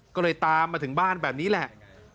ก็เลยตามมาถึงบ้านแบบนี้แหละ